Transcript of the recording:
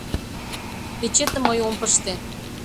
Печетым мый ом пыште.